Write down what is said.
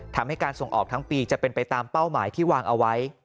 ทำให้การส่งออกทั้งปีจะเป็นไปตามเป้าหมายที่วางเอาไว้